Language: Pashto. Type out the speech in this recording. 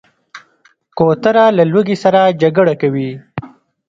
کوتره له لوږې سره جګړه کوي.